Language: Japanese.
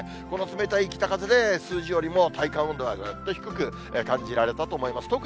この冷たい北風で、やや数字よりも体感温度がぐっと低く感じられたと思います。